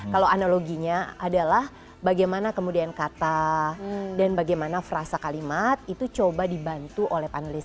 kalau analoginya adalah bagaimana kemudian kata dan bagaimana frasa kalimat itu coba dibantu oleh panelis